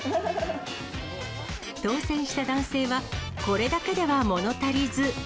当せんした男性は、これだけでは物足りず。